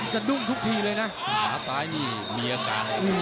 จะดุ้งทุกทีเลยนะ